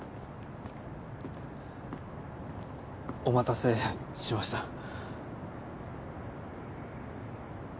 お待たせしました。